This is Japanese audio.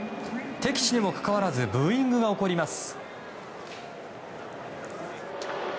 敵地にもかかわらずブーイングが起こります。